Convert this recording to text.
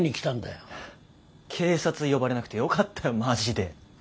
警察呼ばれなくてよかったよマジで。